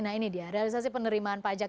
nah ini dia realisasi penerimaan pajak